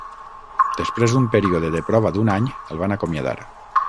Després d'un període de prova d'un any, el van acomiadar.